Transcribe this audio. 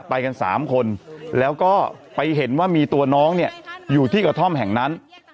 ไปกัน๓คนแล้วก็ไปเห็นว่ามีตัวน้องเนี่ยอยู่ที่กระท่อมแห่งนั้น